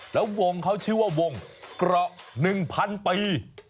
แล้ววงเขาชื่อว่าวงเกราะ๑๐๐ปี